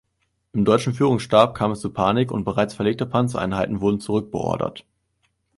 Im deutschen Führungsstab kam es zu Panik und bereits verlegte Panzereinheiten wurden zurückbeordert.